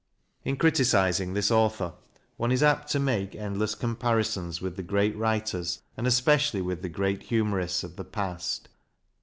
In criticizing this author one is apt to make endless comparisons with the great writers, and especially with the great humorists, of the past.